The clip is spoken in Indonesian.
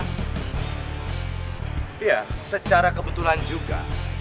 iya secara kebetulan juga